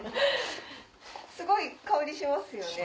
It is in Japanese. すごい香りしますよね。